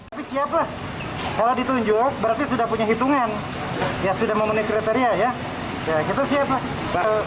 tapi siaplah kalau ditunjuk berarti sudah punya hitungan ya sudah memenuhi kriteria ya kita siap lah